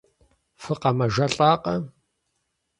ФыкъэмэжэлӀакъэ?